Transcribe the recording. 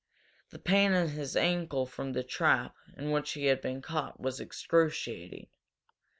The pain in his ankle from the trap in which he had been caught was excruciating.